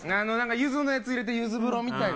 ゆずのやつ入れてゆず風呂とかね。